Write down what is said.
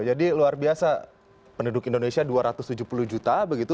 jadi luar biasa penduduk indonesia dua ratus tujuh puluh juta begitu